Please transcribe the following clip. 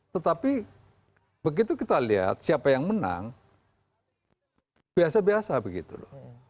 tetapi begitu kita lihat siapa yang menang biasa biasa begitu loh